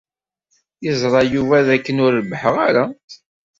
Yeẓra Yuba d akken ur rebbḥeɣ ara.